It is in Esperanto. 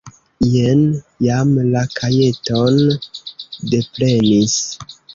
Jen jam la jaketon deprenis.